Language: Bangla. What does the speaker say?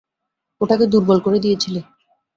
ওটাকে দুর্বল করে দিয়েছিলি।